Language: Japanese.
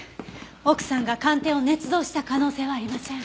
奥さんが鑑定を捏造した可能性はありません。